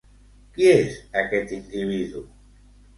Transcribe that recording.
Qui és aquest individu?